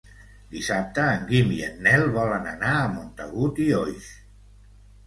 Dissabte en Guim i en Nel volen anar a Montagut i Oix.